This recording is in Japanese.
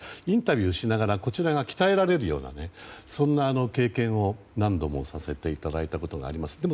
インタビューしながらこちらが鍛えられるようなそんな経験を何度もさせていただいたことがあります。